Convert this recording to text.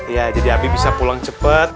ya jadi abi bisa pulang cepat